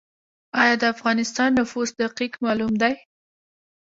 آیا د افغانستان نفوس دقیق معلوم دی؟